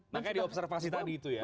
makanya di observasi tadi itu ya